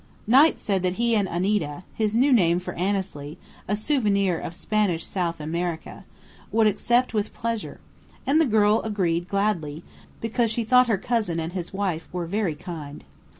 Knight said that he and "Anita" (his new name for Annesley, a souvenir of Spanish South America) would accept with pleasure. And the girl agreed gladly, because she thought her cousin and his wife were very kind.